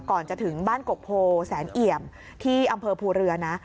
ก่อนจะถึงบ้านกกโพแสนเอี่ยมที่อำเภอภูเรือนะ